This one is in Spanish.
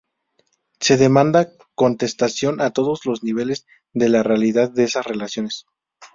Se demanda contestación a todos los niveles de la realidad de esas relaciones.